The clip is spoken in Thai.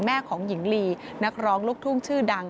แม่ของหญิงลีนักร้องลูกทุ่งชื่อดัง